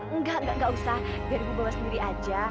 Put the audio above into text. enggak enggak enggak usah biar ibu bawa sendiri aja